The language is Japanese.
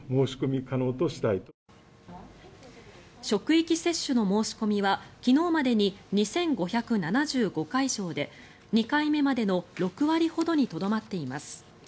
職域接種の申し込みは昨日までに２５７５会場で２回目までの６割ほどにとどまっています。